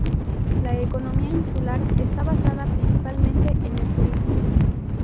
La economía insular está basada principalmente en el turismo.